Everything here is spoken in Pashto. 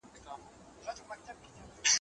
هره ورځ په دروازه کي اردلیان وه